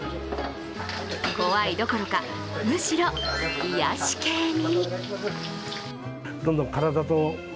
怖いどころかむしろ癒やし系に。